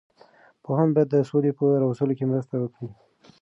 پوهان باید د سولې په راوستلو کې مرسته وکړي.